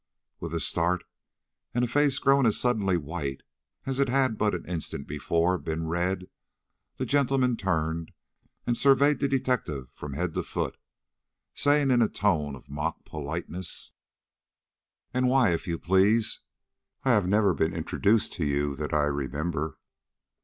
With a start and a face grown as suddenly white as it had but an instant before been red, the gentleman turned and surveyed the detective from head to foot, saying, in a tone of mock politeness: "And why, if you please? I have never been introduced to you that I remember."